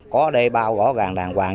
có đê bao gõ gàng đàng hoàng